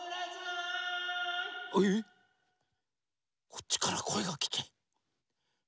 こっちからこえがきてる。